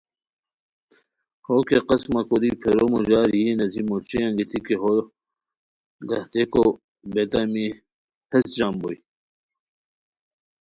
ہو کیہ قسمہ کوری پھیرو موڑار یی نیئے موچی انگیتی کی ہو لاہتیکو بیتامی ہیس جام بوئے